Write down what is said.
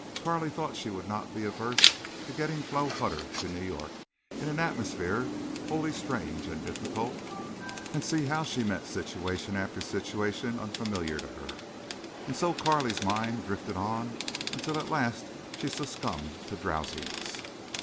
Carley thought she would not be averse to getting Flo Hutter to New York, into an atmosphere wholly strange and difficult, and see how she met situation after situation unfamiliar to her. And so Carley's mind drifted on until at last she succumbed to drowsiness.